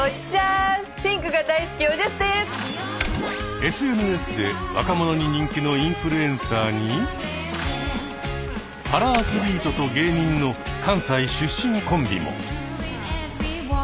ＳＮＳで若者に人気のインフルエンサーにパラアスリートと芸人の関西出身コンビも。